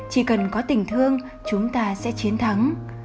chỉ cần có tình thương chúng ta sẽ chiến thắng